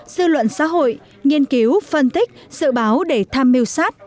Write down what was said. dư luận xã hội nghiên cứu phân tích dự báo để tham mưu sát